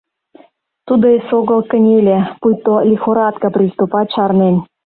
Тудо эсогыл кынеле; пуйто лихорадке приступат чарнен...